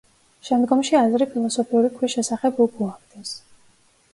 შემდგომში აზრი ფილოსოფიური ქვის შესახებ უკუაგდეს.